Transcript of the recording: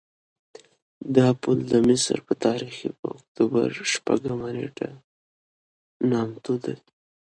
دا پل د مصر په تاریخ کې په اکتوبر شپږمه نېټه نامتو دی.